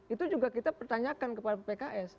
itu juga kita pertanyakan kepada pks